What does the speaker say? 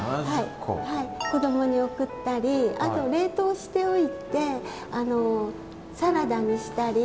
子どもに送ったりあと冷凍しておいてサラダにしたり。